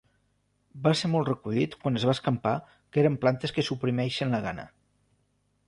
Va ser molt recollit quan es va escampar que eren plantes que suprimeixen la gana.